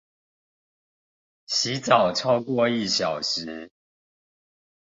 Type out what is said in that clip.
洗澡超過一小時